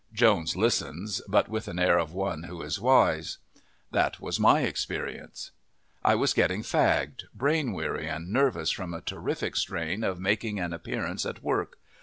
Jones listens, but with an air of one who is wise. That was my experience. I was getting fagged, brain weary and nervous from a terrific strain of making an appearance at work.